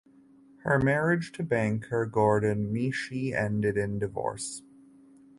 Her marriage to banker Gordon Michie ended in divorce.